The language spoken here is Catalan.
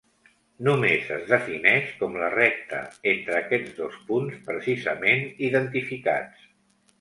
Només es defineix com la recta entre aquests dos punts precisament identificats.